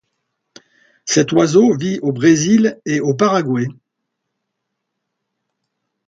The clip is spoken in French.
Cet oiseau vit au Brésil et au Paraguay.